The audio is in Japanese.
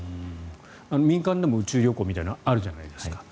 民間でも宇宙旅行みたいなのあるじゃないですか。